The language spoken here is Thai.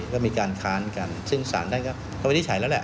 ก็มีการค้านกันซึ่งสารท่านก็วินิจฉัยแล้วแหละ